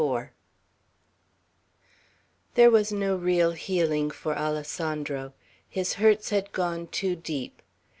XXIV THERE was no real healing for Alessandro. His hurts had gone too deep.